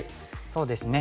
そうですね